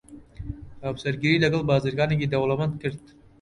هاوسەرگیریی لەگەڵ بازرگانێکی دەوڵەمەند کرد.